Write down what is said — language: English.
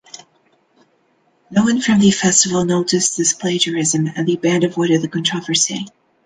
No one from the festival noticed this plagiarism and the band avoided the controversy.